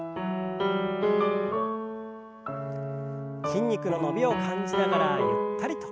筋肉の伸びを感じながらゆったりと。